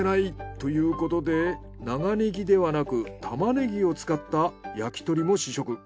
ということで長ネギではなくタマネギを使った焼き鳥も試食。